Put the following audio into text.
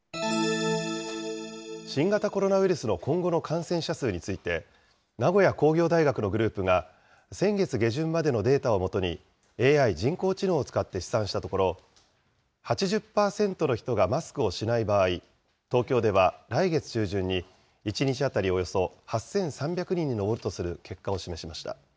新型コロナウイルスの今後の感染者数について、名古屋工業大学のグループが、先月下旬までのデータをもとに、ＡＩ・人工知能を使って試算したところ、８０％の人がマスクをしない場合、東京では来月中旬に１日当たりおよそ８３００人に上るとする結果を示しました。